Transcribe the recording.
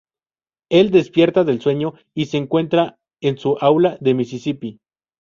Él despierta del sueño y se encuentra en su aula de Mississippi.